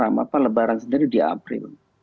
dan kemudian perebaran sendiri di april